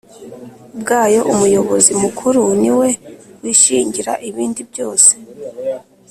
bwayo Umuyobozi Mukuru ni we wishingira ibindi byose